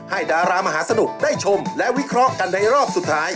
ดารามหาสนุกได้ชมและวิเคราะห์กันในรอบสุดท้าย